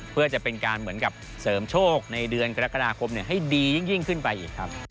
เพื่อจะเป็นการเสริมโชคในเดือนกรกฎาคมให้ดียิ่งขึ้นไป